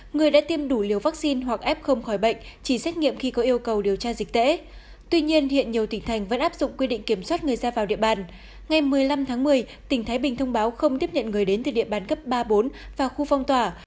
ngày một mươi năm tháng một mươi tỉnh thái bình thông báo không tiếp nhận người đến từ địa bàn cấp ba mươi bốn vào khu phong tỏa